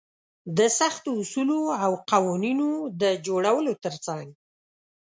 د سختو اصولو او قوانينونو د جوړولو تر څنګ.